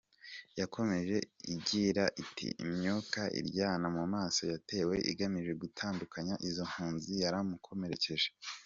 Yakomeje igira iti “Imyuka iryana mu maso yatewe igamije gutatanya izo impunzi yaramukomerekeje.